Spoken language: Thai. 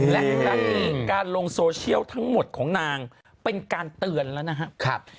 และครั้งนี้การลงโซเชียลทั้งหมดของนางเป็นการเตือนแล้วนะครับ